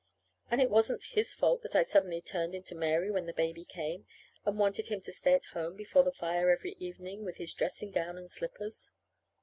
And it wasn't his fault that I suddenly turned into Mary when the baby came, and wanted him to stay at home before the fire every evening with his dressing gown and slippers.